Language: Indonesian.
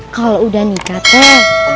kalo udah nikah tuh